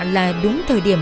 là đúng thời điểm